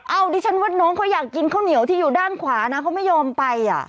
เอาดิฉันว่าน้องเขาอยากกินข้าวเหนียวที่อยู่ด้านขวานะเขาไม่ยอมไปอ่ะ